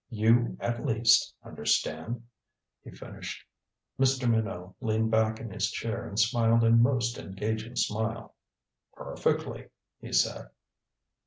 "You, at least, understand," he finished. Mr. Minot leaned back in his chair and smiled a most engaging smile. "Perfectly," he said.